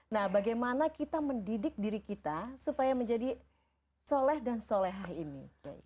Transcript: nah bagaimana kita mendidik diri kita supaya menjadi soleh dan solehah ini